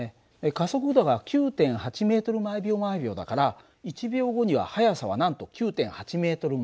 加速度が９．８ｍ／ｓだから１秒後には速さはなんと９．８ｍ／ｓ。